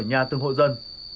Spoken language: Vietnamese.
nhà từng hộ dân